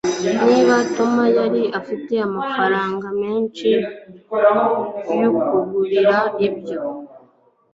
niba tom yari afite amafaranga menshi, yakugurira ibyo